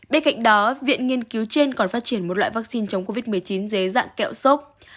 bên cạnh đó viện nghiên cứu trên còn phát triển một loại vaccine chống covid một mươi chín dưới dạng kẹo sốt